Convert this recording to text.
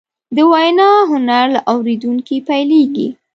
د وینا هنر له اورېدنې پیلېږي